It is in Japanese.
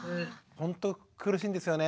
ほんと苦しいんですよね。